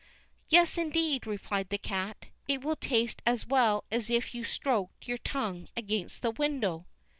"Yes, indeed," replied the cat; "it will taste as well as if you stroked your tongue against the window."